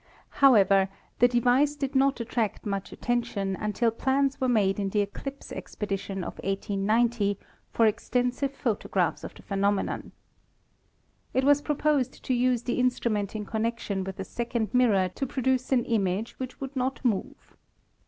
However, the device did not attract much attention until plans were made in the eclipse expedition of 1890 for extensive photographs of the phenomenon. It 26 ASTRONOMY was proposed to use the instrument in connection with a second mirror to produce an image which would not move.